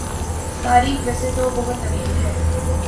تاریخ ویسے تو بہت طویل ہے